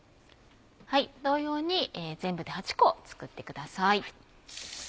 同様に全部で８個作ってください。